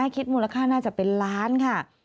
คิดมูลค่าน่าจะเป็นล้านค่ะ